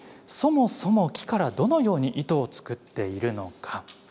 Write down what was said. そもそも、木からどのように糸を作っているのか。